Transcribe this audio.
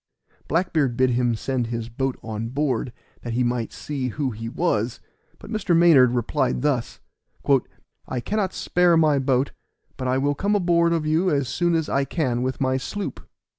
Black beard bid him send his boat on board that he might see who he was; but Mr. Maynard replied thus: "I cannot spare my boat, but I will come aboard of you as soon as I can with my sloop."